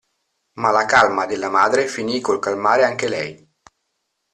Ma la calma della madre finì col calmare anche lei.